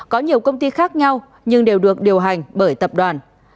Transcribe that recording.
có nhiều công ty khác nhau nhưng đều được điều hành bởi tập đoàn